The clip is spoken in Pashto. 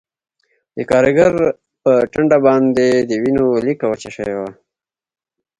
د کارګر په ټنډه باندې د وینو لیکه وچه شوې وه